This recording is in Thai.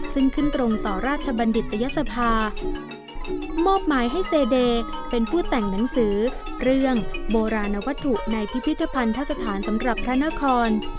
ซึ่งขึ้นตรงต่อราชบัณฑิตยศภามอบหมายให้เซเดย์เป็นผู้แต่งหนังสือเรื่องโบราณวัตถุในพิพิธภัณฑสถานสำหรับพระนคร